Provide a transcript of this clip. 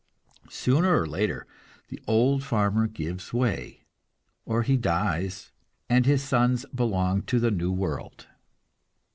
Sooner or later the old farmer gives way; or he dies, and his sons belong to the new world.